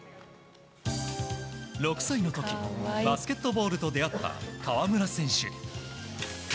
６歳の時、バスケットボールと出会った河村選手。